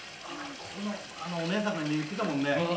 あのお姉さんも言ってたもんね。